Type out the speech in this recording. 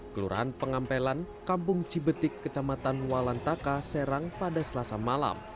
kelurahan pengampelan kampung cibetik kecamatan walantaka serang pada selasa malam